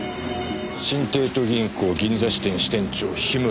新帝都銀行銀座支店支店長樋村学。